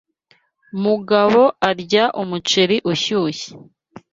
Mugabo arya umuceri ushyushye.